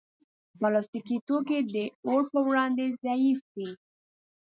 پلاستيکي توکي د اور پر وړاندې ضعیف دي.